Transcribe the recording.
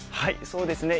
そうですね。